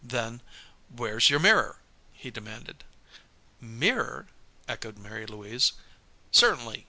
Then, "Where's your mirror?" he demanded. "Mirror?" echoed Mary Louise. "Certainly.